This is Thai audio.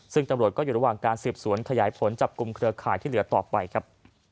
ซึ่งตำรวจก็อยู่ระหว่างการสืบสวนขยายผลจับกลุ่มเครือข่ายที่เหลือต่อไปครับ